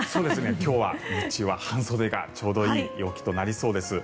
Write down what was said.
今日は日中は半袖がちょうどいい陽気となりそうです。